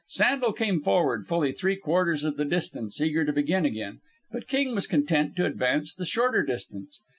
Sandel came forward fully three quarters of the distance, eager to begin again; but King was content to advance the shorter distance.